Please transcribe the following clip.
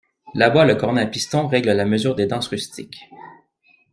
Là-bas le cornet à piston règle la mesure des danses rustiques.